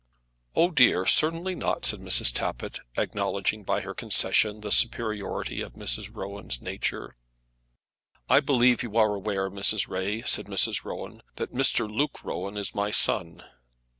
"Oh, dear, certainly not," said Mrs. Tappitt, acknowledging by her concession the superiority of Mrs. Rowan's nature. "I believe you are aware, Mrs. Ray," said Mrs. Rowan, "that Mr. Luke Rowan is my son."